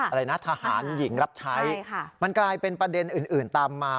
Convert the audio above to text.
อะไรนะทหารหญิงรับใช้มันกลายเป็นประเด็นอื่นตามมา